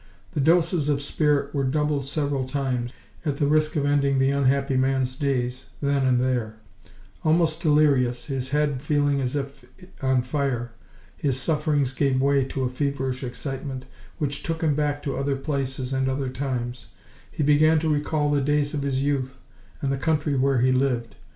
The doses of spirit were doubled several times, at the risk of ending the unhappy man's days then and there: Almost delirious, his head feeling as if on fire, his sufferings gave way to a feverish excitement, which took him back to other places and other times: he began to recall the days of his youth and the country where he lived.